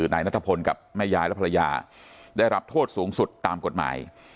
นายนัทพลกับแม่ยายและภรรยาได้รับโทษสูงสุดตามกฎหมาย